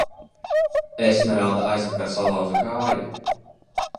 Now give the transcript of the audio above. Esmeralda aizvakar salauza kāju.